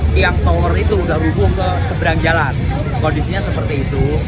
tiang tower itu sudah hubung ke seberang jalan kondisinya seperti itu